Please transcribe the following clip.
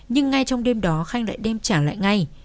nhưng ngay trong đêm đó khanh lại đem trả lại ngay